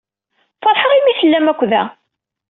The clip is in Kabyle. Feṛḥeɣ imi ay tellam akk da.